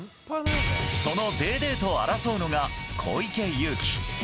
そのデーデーと争うのが小池祐貴。